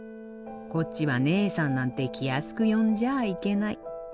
こっちはねえさんなんて気安く呼んじゃあいけない。